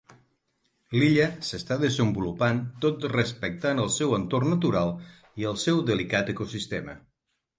L'illa s'està desenvolupant tot respectant el seu entorn natural i el seu delicat ecosistema.